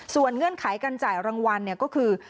ส่วนเงื่อนไขการจ่ายรางวัลก็คือ